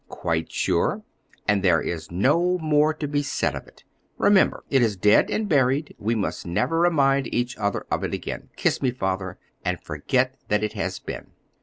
"Quite sure; and there is no more to be said of it. Remember, it is dead and buried; we must never remind each other of it again. Kiss me, Father, and forget that it has been."